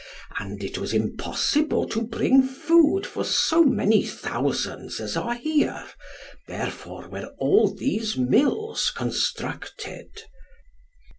And it was impossible to bring food for so many thousands as are here, therefore were all these mills constructed."